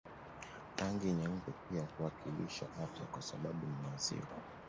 Rangi nyeupe pia huwakilisha afya kwa sababu ni maziwa